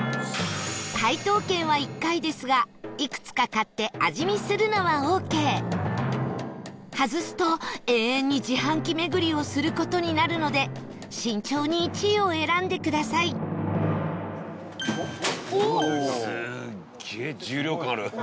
解答権は１回ですがいくつか買って味見するのはオーケー外すと、永遠に自販機巡りをする事になるので慎重に１位を選んでください飯尾：すげえ重量感ある。